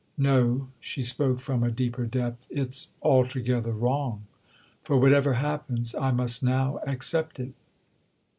"No"—she spoke from a deeper depth—"it's altogether wrong. For whatever happens I must now accept it."